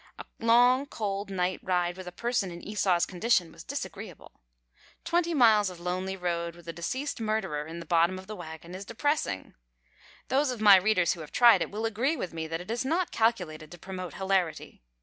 A long, cold night ride with a person in Esau's condition was disagreeable. Twenty miles of lonely road with a deceased murderer in the bottom of the wagon is depressing. Those of my readers who have tried it will agree with me that it is not calculated to promote hilarity.